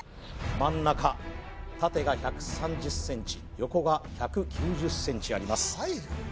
真ん中縦が１３０ｃｍ横が１９０ｃｍあります